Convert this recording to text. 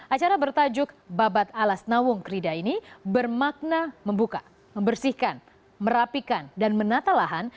acara bertajuk babat alas nawung krida ini bermakna membuka membersihkan merapikan dan menata lahan